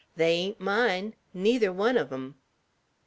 They ain't mine, neither one on 'em."